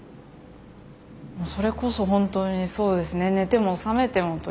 それこそ本当にそうですね。